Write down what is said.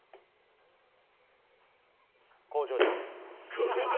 工場長。